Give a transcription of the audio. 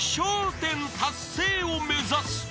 １０達成を目指す］